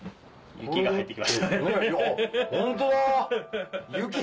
雪が入ってきました。